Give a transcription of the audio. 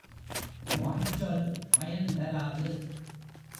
வாய்ச்சொல் பயன் தாராது.